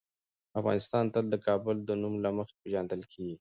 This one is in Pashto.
افغانستان تل د کابل د نوم له مخې پېژندل کېږي.